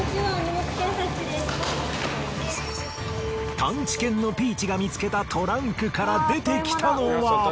探知犬のピーチが見つけたトランクから出てきたのは。